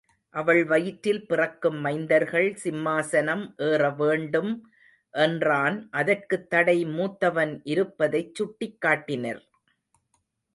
அவள் வயிற்றில் பிறக்கும் மைந்தர்கள் சிம்மாசனம் ஏற வேண்டும் என்றான் அதற்குத்தடை மூத்தவன் இருப்பதைச் சுட்டிக்காட்டினர்.